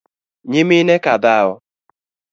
Nyimine ka dhao?